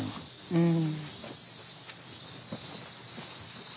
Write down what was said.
うん。